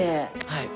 はい。